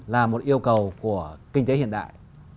là một yêu cầu của kinh tế hiện đại